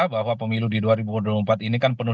bahwa pemilu di dua ribu dua puluh empat ini kan penuh